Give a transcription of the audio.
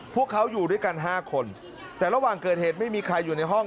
พวกเขาอยู่ด้วยกัน๕คนแต่ระหว่างเกิดเหตุไม่มีใครอยู่ในห้อง